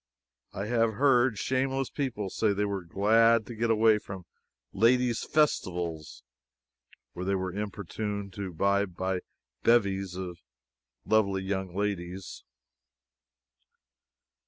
I have heard shameless people say they were glad to get away from Ladies' Festivals where they were importuned to buy by bevies of lovely young ladies.